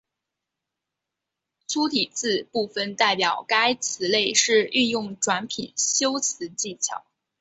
粗体字部分代表该词类是运用转品修辞技巧。